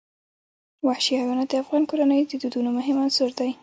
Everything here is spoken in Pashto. وحشي حیوانات د افغان کورنیو د دودونو مهم عنصر دی.